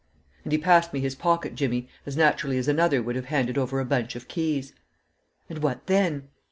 And he passed me his pocket jimmy as naturally as another would have handed over a bunch of keys. "And what then?"